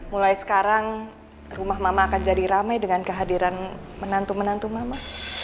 mulai sekarang rumah mama akan jadi ramai dengan kehadiran menantu menantu mama